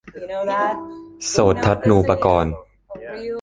โสตทัศนูปกรณ์